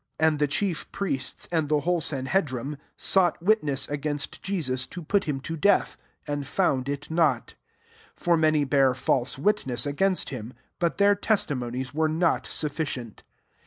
55 And the chief priests, and the whole sanhedrim^ sought witness against Jesus to put him to death ; and found it not. 56 For many bare false witness against him, but their testimo nies were not sufficient.